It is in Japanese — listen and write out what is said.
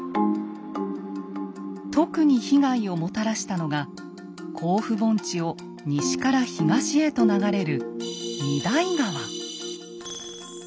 特に被害をもたらしたのが甲府盆地を西から東へと流れる御勅使川。